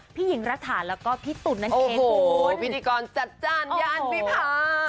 พี่หญิงรักษาแล้วก็พี่ตุ๋นนั้นเอคุณโอ้โหพิธีกรจัดจ้านยานพิพาค